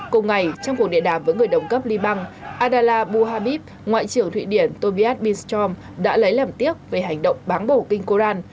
cùng ngày trong cuộc điện đàm với người đồng cấp liban adela buhabib ngoại trưởng thụy điển tobias bistrom đã lấy lầm tiếc về hành động bán bổ kinh quran